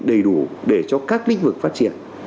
lợi ích đầy đủ để cho các lĩnh vực phát triển